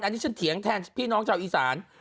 อันนี้ฉันเถียงแทนพี่น้องชาวอีสาน